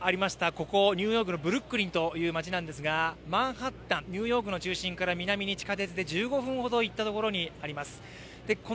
ここニューヨークのブルックリンという街なんですが、マンハッタン、ニューヨークの中心から地下鉄で１５分ほど行ったところにあります。